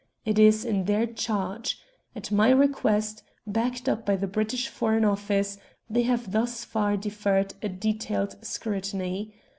It is in their charge. At my request, backed up by the British Foreign Office, they have thus far deferred a detailed scrutiny.